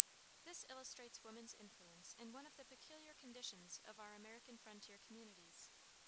This illustrates woman's influence in one of the peculiar conditions of our American frontier communities.